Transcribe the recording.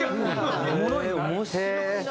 面白いな！